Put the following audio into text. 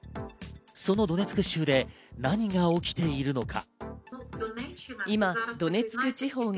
そのドネツク州で何が起きているのか？